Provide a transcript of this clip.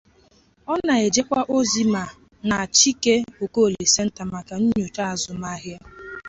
Ọ na-ejekwa ozi na Chike Okoli Centre maka Nnyocha Azụmaahịa.